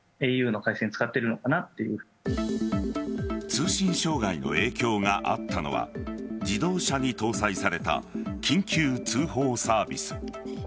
通信障害の影響があったのは自動車に搭載された緊急通報サービス。